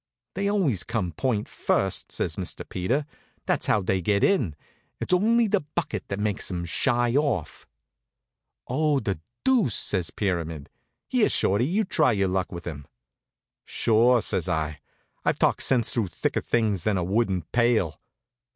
"They always come point first," says Sir Peter; "that's how they get in. It's only the bucket that makes 'em shy off." "Oh, the deuce!" says Pyramid. "Here, Shorty, you try your luck with him." "Sure," says I. "I've talked sense through thicker things than a wooden pail."